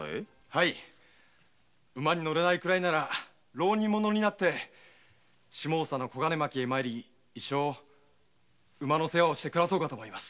馬に乗れないくらいなら浪人者になって下総の小金牧へ参り一生馬の世話をして暮らそうかと思います。